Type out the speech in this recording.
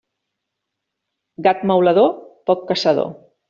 Gat maulador, poc caçador.